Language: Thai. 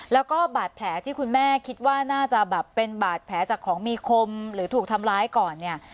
แล้วก็บาดแผลที่คุณแม่คิดว่าน่าจะแบบเป็นบาดแผลจากของมีคมหรือถูกทำร้ายก่อนเนี่ย